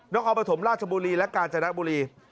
นอกเอาไปถมราชบุรีและการจัดนักบุรี